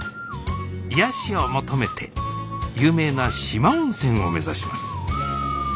癒やしを求めて有名な四万温泉を目指します